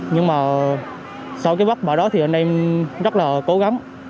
nhưng mà sau cái vất vả đó thì anh em rất là cố gắng